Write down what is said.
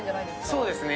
そうですね。